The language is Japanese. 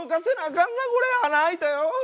かんなこれ穴開いたよ。